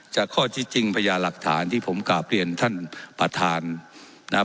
ข้อที่จริงพญาหลักฐานที่ผมกลับเรียนท่านประธานนะครับ